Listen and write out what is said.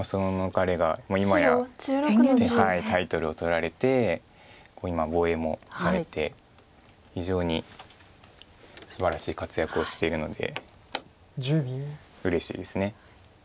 タイトルを取られて今防衛もされて非常にすばらしい活躍をしているのでうれしいです。